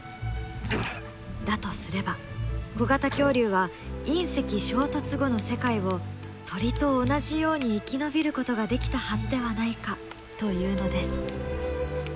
だとすれば小型恐竜は隕石衝突後の世界を鳥と同じように生き延びることができたはずではないかというのです。